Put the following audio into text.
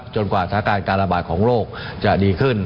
กว่าสถานการณ์การระบาดของโรคจะดีขึ้น